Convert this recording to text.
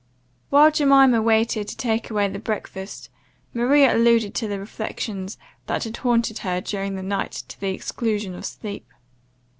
While Jemima waited to take away the breakfast, Maria alluded to the reflections, that had haunted her during the night to the exclusion of sleep.